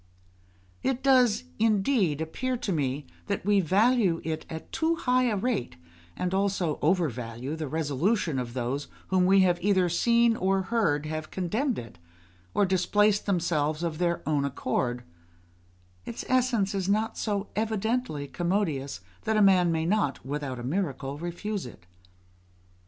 It does, indeed, appear to me that we value it at too high a rate, and also overvalue the resolution of those whom we have either seen or heard have contemned it, or displaced themselves of their own accord: its essence is not so evidently commodious that a man may not, with out a miracle, refuse it.